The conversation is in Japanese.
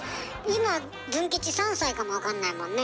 今ズン吉３歳かも分かんないもんね。